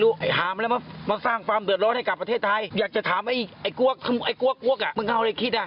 ขึ้นเต็ม๘นาที๑๒วิแต่ตัดมาให้ดูบางส่วนค่ะ